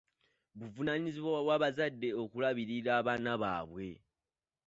Buvunaanyizibwa bw'abazadde okulabirira abaana baabwe.